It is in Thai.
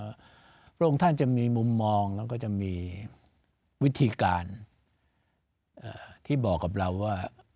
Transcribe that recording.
พระองค์ท่านจะมีมุมมองแล้วก็จะมีวิธีการที่บอกกับเราว่า